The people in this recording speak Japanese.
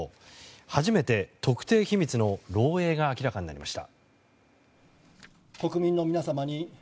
初めて特定秘密の漏洩が明らかになりました。